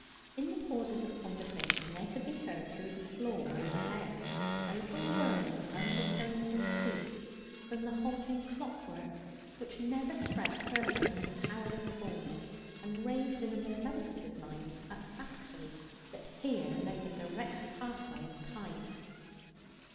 In the pauses of conversation there could be heard through the floor overhead a little world of undertones and creaks from the halting clockwork, which never spread further than the tower they were born in, and raised in the more meditative minds a fancy that here lay the direct pathway of Time.